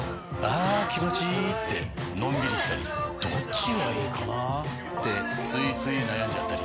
あ気持ちいいってのんびりしたりどっちがいいかなってついつい悩んじゃったり。